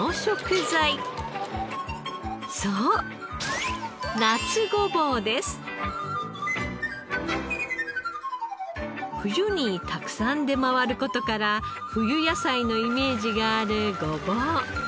そう冬にたくさん出回る事から冬野菜のイメージがあるごぼう。